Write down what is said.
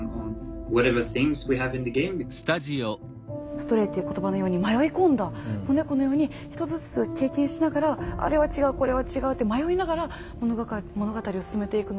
「Ｓｔｒａｙ」っていう言葉のように迷い込んだ子猫のように一つずつ経験しながらあれは違うこれは違うって迷いながら物語を進めていくのが。